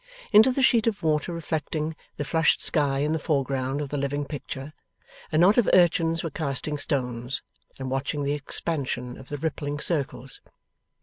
Into the sheet of water reflecting the flushed sky in the foreground of the living picture, a knot of urchins were casting stones, and watching the expansion of the rippling circles.